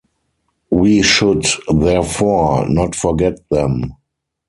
We should therefore not forget them.